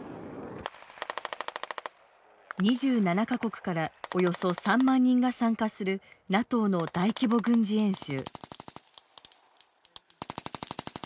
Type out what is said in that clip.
２７か国からおよそ３万人が参加するＮＡＴＯの大規模軍事演習。